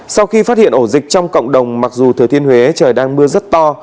sau khi phát hiện ổ dịch trong cộng đồng mặc dù thừa thiên huế trời đang mưa rất to